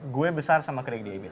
gue besar sama craig david